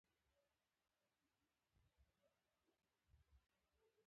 نوې موضوع د بحث لپاره ښه وي